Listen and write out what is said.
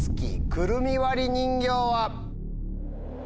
『くるみ割り人形』は。